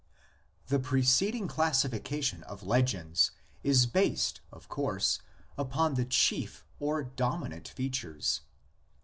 The preceding classification of legends is based of course upon the chief or dominant features.